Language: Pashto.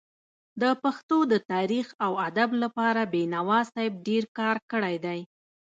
د پښتو د تاريخ او ادب لپاره بينوا صاحب ډير کار کړی دی.